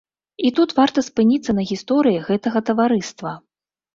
І тут варта спыніцца на гісторыі гэтага таварыства.